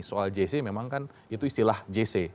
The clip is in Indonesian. soal jc memang kan itu istilah jc